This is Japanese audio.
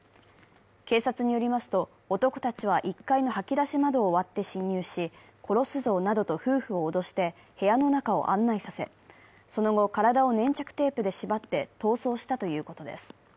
警察によりますと、男たちは１階の掃きだし窓を割って侵入し、殺すぞなどと夫婦を脅して部屋の中を案内させ、その後、体を粘着テープで縛って逃走したということです。